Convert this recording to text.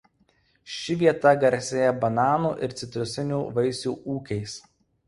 Ši vieta garsėja bananų ir citrusinių vaisių ūkiais.